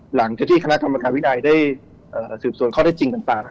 หลังจากที่คณะกรรมการวินัยได้สืบสวนข้อได้จริงต่าง